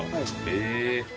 へえ。